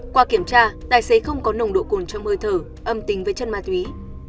qua kiểm tra tài xế không có nồng độ cồn trong hơi thở âm tính với chất ma túy